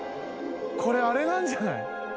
これあれなんじゃない？